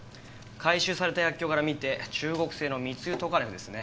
回収された薬莢から見て中国製の密輸トカレフですね。